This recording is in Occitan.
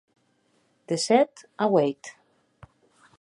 De sèt a ueit.